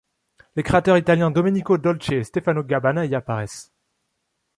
Les créateurs italiens Domenico Dolce et Stefano Gabbana y apparaissent.